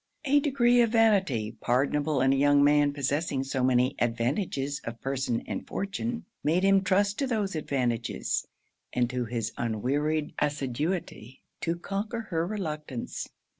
A degree of vanity, pardonable in a young man possessing so many advantages of person and fortune, made him trust to those advantages, and to his unwearied assiduity, to conquer her reluctance.